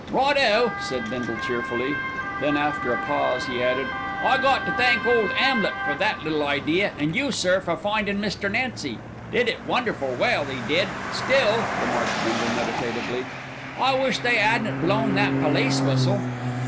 "Right o!" said Bindle cheerfully. Then after a pause he added, "I got to thank Ole 'Amlet for that little idea, and you, sir, for findin' Mr. Nancy. Did it wonderful well, 'e did; still," remarked Bindle meditatively, "I wish they 'adn't blown that police whistle.